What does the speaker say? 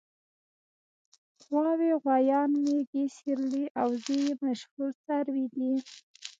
غواوې غوایان مېږې سېرلي او وزې یې مشهور څاروي دي.